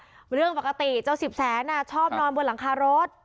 เพราะเรื่องปกติเจ้าสิบแสนชอบนอนบนหลังคารถ